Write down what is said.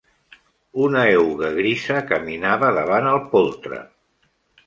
Una euga grisa caminava davant el poltre.